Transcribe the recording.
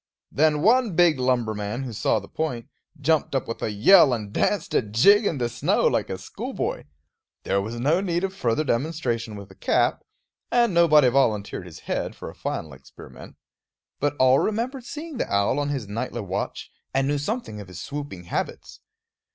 Then one big lumberman, who saw the point, jumped up with a yell and danced a jig in the snow, like a schoolboy. There was no need of further demonstration with a cap; and nobody volunteered his head for a final experiment; but all remembered seeing the owl on his nightly watch, and knew something of his swooping habits.